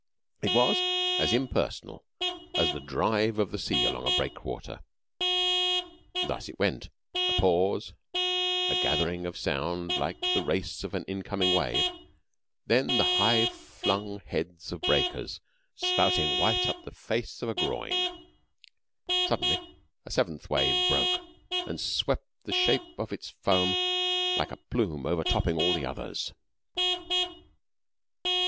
It was as impersonal as the drive of the sea along a breakwater. Thus it went: a pause a gathering of sound like the race of an incoming wave; then the high flung heads of breakers spouting white up the face of a groyne. Suddenly, a seventh wave broke and spread the shape of its foam like a plume overtopping all the others.